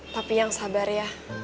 tapi yang sabar ya